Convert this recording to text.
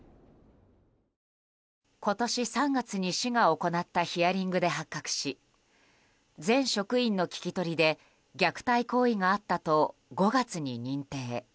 今年３月に市が行ったヒアリングで発覚し全職員の聞き取りで虐待行為があったと５月に認定。